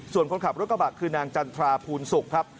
ส่วนคนขับรถกระบะคือนางจันทราภูลศุกร์ครับ